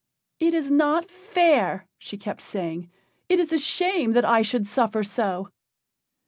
"It is not fair," she kept saying, "it is a shame that I should suffer so."